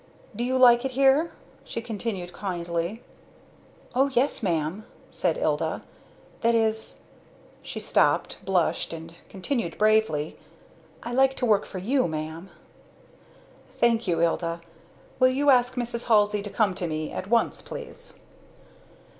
"Do you like it here?" she continued kindly. "Oh yes, ma'am!" said Ilda. "That is " she stopped, blushed, and continued bravely. "I like to work for you, ma'am." "Thank you, Ilda. Will you ask Mrs. Halsey to come to me at once, please."